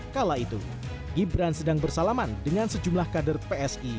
kala itu gibran sedang bersalaman dengan sejumlah kader psi